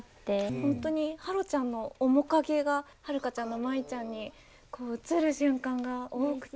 本当に芭路ちゃんの面影が遥ちゃんの舞ちゃんにこう映る瞬間が多くて。